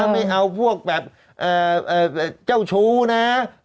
ไม่เอาพวกแบบเจ้าชู้นะ